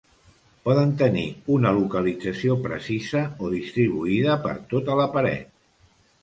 Poden tenir una localització precisa o distribuïda per tota la paret.